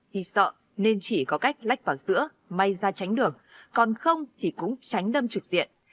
hy sợ nên chỉ có cách lách vào sữa may ra tránh đường còn không thì cũng tránh đâm trực diện